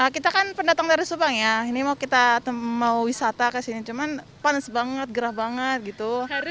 kita kan pendatang dari subang ya ini mau kita mau wisata kesini cuman panas banget gerah banget gitu